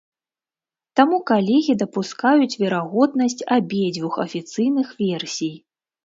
Таму калегі дапускаюць верагоднасць абедзвюх афіцыйных версій.